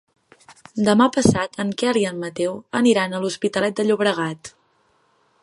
Demà passat en Quel i en Mateu aniran a l'Hospitalet de Llobregat.